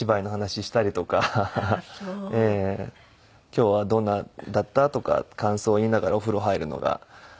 「今日はどんなだった？」とか感想言いながらお風呂入るのが。